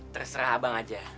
terserah abang aja